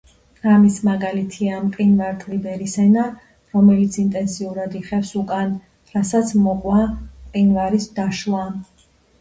ამის მაგალითია მყინვარ ტვიბერის ენა, რომელიც ინტენსიურად იხევს უკან, რასაც მოყვა მყინვარის დაშლა.